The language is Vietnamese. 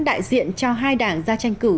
đại diện cho hai đảng ra tranh cử